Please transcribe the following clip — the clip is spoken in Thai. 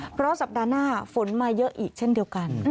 เพราะสัปดาห์หน้าฝนมาเยอะอีกเช่นเดียวกัน